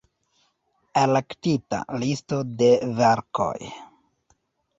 Elektita listo de verkoj.